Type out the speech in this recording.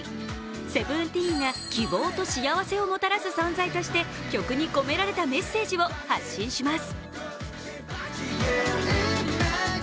ＳＥＶＥＮＴＥＥＮが希望と幸せをもたらす存在として曲に込められたメッセージを発信します。